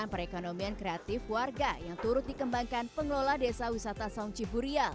dan perekonomian kreatif warga yang turut dikembangkan pengelola desa wisata saung ciburial